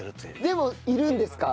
でもいるんですか？